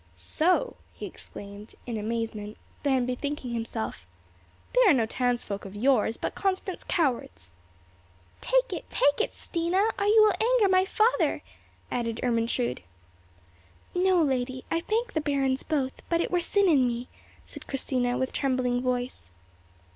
"So!" he exclaimed, in amaze; then bethinking himself,—"They are no townsfolk of yours, but Constance cowards." "Take it, take it, Stina, or you will anger my father," added Ermentrude. "No, lady, I thank the barons both, but it were sin in me," said Christina, with trembling voice.